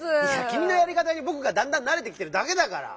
きみのやりかたにぼくがだんだんなれてきてるだけだから！